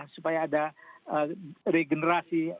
supaya ada regenerasi